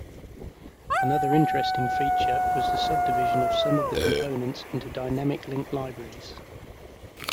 Another interesting feature was the subdivision of some of the components into dynamic-link libraries.